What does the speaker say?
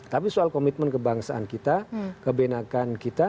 tapi soal komitmen kebangsaan kita kebenakan kita